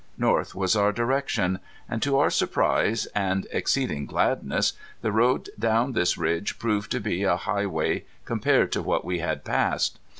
North was our direction. And to our surprise, and exceeding gladness, the road down this ridge proved to be a highway compared to what we had passed.